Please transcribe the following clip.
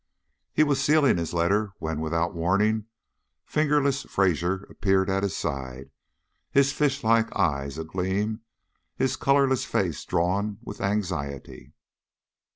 He was sealing his letter, when, without warning, "Fingerless" Fraser appeared at his side, his fishlike eyes agleam, his colorless face drawn with anxiety.